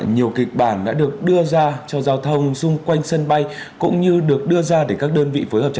nhiều kịch bản đã được đưa ra cho giao thông xung quanh sân bay cũng như được đưa ra cho giao thông